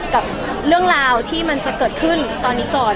กับเรื่องราวที่มันจะเกิดขึ้นตอนนี้ก่อน